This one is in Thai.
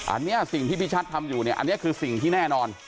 อันนี้สิ่งที่พี่ชัดทำอยู่เนี่ยอันนี้คือสิ่งที่แน่นอน